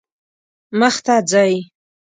مخ ته ځئ